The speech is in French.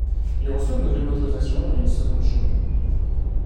Il reçoit une nouvelle motorisation et une seconde cheminée.